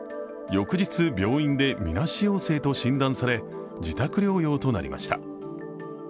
翌日、病院でみなし陽性と診断され自宅療養となりました。